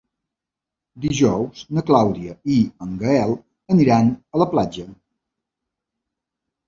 Dijous na Clàudia i en Gaël aniran a la platja.